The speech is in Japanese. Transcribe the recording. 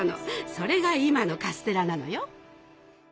それが今のカステラなのよ。